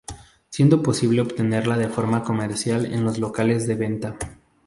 Siendo posible obtenerla de forma comercial en los locales de venta.